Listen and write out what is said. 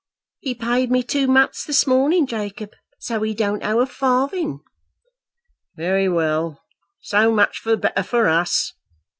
"He paid me two months this morning, Jacob; so he don't owe a farthing." "Very well; so much the better for us.